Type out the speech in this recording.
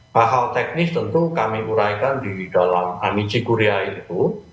hal hal teknis tentu kami uraikan di dalam amiji korea itu